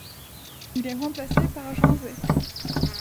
Il est remplacé par Jean Zay.